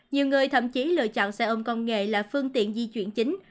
nhiều người thậm chí lựa chọn xe ôm công nghệ là phương tiện di chuyển chính